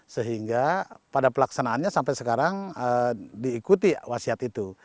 sehingga pada pelaksanaannya sampai sekarang diikuti wasiat itu